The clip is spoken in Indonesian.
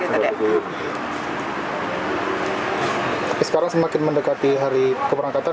tapi sekarang semakin mendekati hari keberangkatan